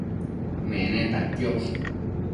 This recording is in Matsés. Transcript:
Meneta quiosh